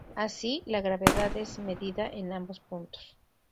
Así, la gravedad es medida en ambos puntos.